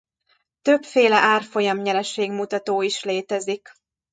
Többféle árfolyam-nyereség mutató is létezik.